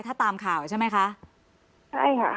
ถ้าตามข่าวใช่ไหมคะใช่ค่ะ